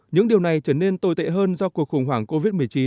những điều này trở nên tồi tệ hơn do cuộc khủng hoảng covid một mươi chín